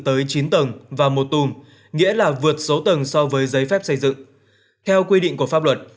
tới chín tầng và một tùm nghĩa là vượt số tầng so với giấy phép xây dựng theo quy định của pháp luật